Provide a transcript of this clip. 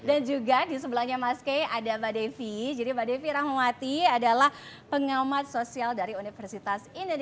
dan juga di sebelahnya mas kei ada mba devi jadi mba devi rahmawati adalah pengamat sosial dari universitas indonesia indonesia